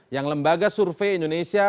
yang lembaga survei indonesia